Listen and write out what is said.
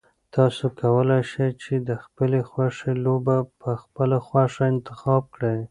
تاسو کولای شئ چې د خپلې خوښې لوبه په خپله خوښه انتخاب کړئ.